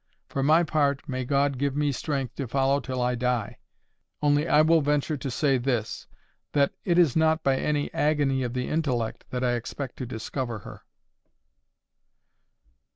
For my part, may God give me strength to follow till I die. Only I will venture to say this, that it is not by any agony of the intellect that I expect to discover her."